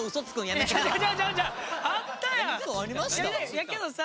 やけどさ